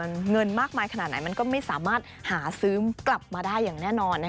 มันเงินมากมายขนาดไหนมันก็ไม่สามารถหาซื้อกลับมาได้อย่างแน่นอน